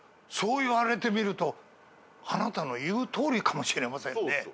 そう言われてみるとあなたの言うとおりかもしれませんね。